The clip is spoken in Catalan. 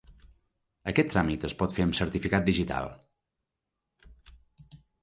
Aquest tràmit es pot fer amb certificat digital.